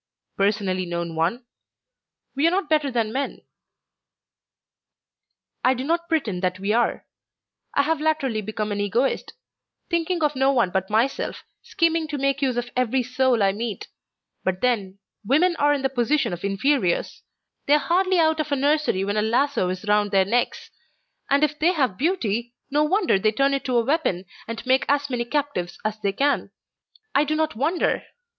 "Personally known one? We are not better than men." "I do not pretend that we are. I have latterly become an Egoist, thinking of no one but myself, scheming to make use of every soul I meet. But then, women are in the position of inferiors. They are hardly out of the nursery when a lasso is round their necks; and if they have beauty, no wonder they turn it to a weapon and make as many captives as they can. I do not wonder!